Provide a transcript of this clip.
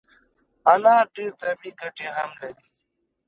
انار ډیري طبي ګټي هم لري